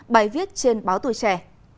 bài viết trên báo tùy trẻ